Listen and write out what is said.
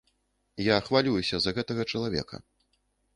Я хвалююся за гэтага чалавека.